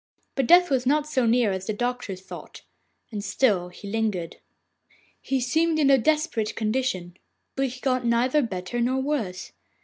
But Death was not so near as the doctors thought, and still he lingered. He seemed in a desperate condition, but he got neither better nor worse.